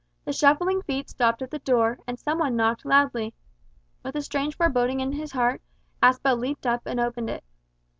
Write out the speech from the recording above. The shuffling feet stopped at the door, and some one knocked loudly. With a strange foreboding at his heart, Aspel leaped up and opened it.